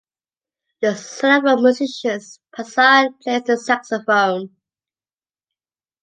The son of musicians, Passard plays the saxophone.